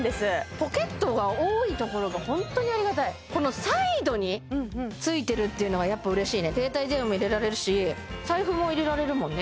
ポケットが多いところが本当にありがたいこのサイドに付いてるっていうのがやっぱ嬉しいね携帯電話も入れられるし財布も入れられるもんね